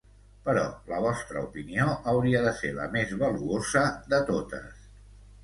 Però la vostra opinió hauria de ser la més valuosa de totes.